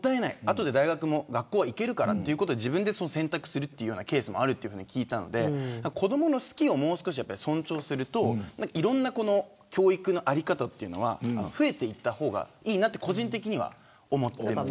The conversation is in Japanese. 後で学校は行けるからということで自分で選択するというケースもあると聞いたので子どもの好きを尊重するといういろんな教育の在り方は増えていった方がいいなと個人的には思います。